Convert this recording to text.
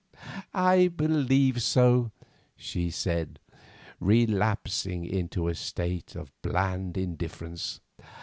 "I believe so," she said, relapsing into a state of bland indifference.